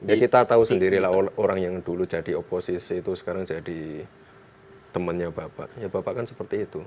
enggak kita tahu sendirilah orang yang dulu jadi oposisi itu sekarang jadi temennya bapak ya bapak kan seperti itu